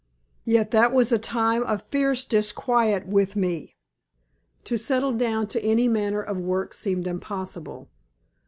Yet that was a time of fierce disquiet with me. To settle down to any manner of work seemed impossible.